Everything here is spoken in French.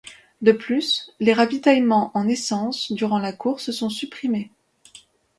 De plus, les ravitaillements en essence durant la course sont supprimés.